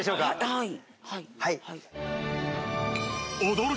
はい。